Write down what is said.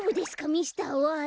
ミスターＹ！